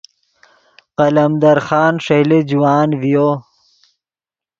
قلمدر خان ݰئیلے جوان ڤیو